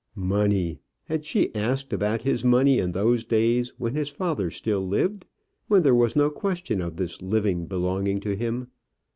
Money! Had she asked about his money in those days when his father still lived, when there was no question of this living belonging to him?